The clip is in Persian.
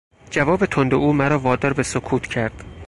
جواب تند او مرا وادار به سکوت کرد.